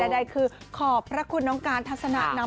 ใดคือขอบพระคุณน้องการทัศนะ